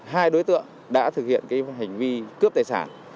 hai đối tượng đã thực hiện hành vi cướp tài sản